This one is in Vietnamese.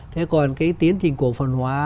thế còn cái tiến trình cổ phần hóa